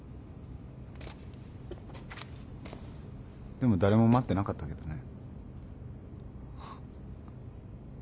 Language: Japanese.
でも誰も待ってなかったけどね。